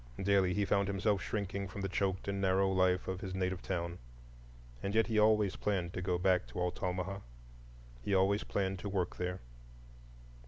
Daily he found himself shrinking from the choked and narrow life of his native town. And yet he always planned to go back to Altamaha,—always planned to work there.